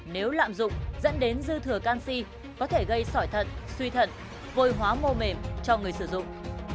nếu lạm dụng dẫn đến dư thừa canxi có thể gây sỏi thận suy thận vôi hóa mô mềm cho người sử dụng